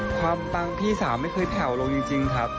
ปังพี่สาวไม่เคยแผ่วลงจริงครับ